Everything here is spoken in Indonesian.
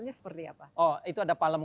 seperti apa oh itu ada palem